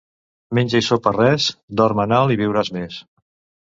Menja i sopa res, dorm en alt i viuràs més.